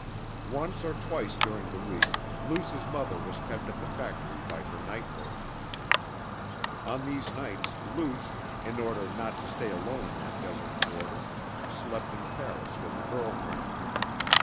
Once or twice during the week Luce's mother was kept at the factory by her night work. On these nights Luce, in order not to stay alone in that desert quarter, slept in Paris with a girl friend.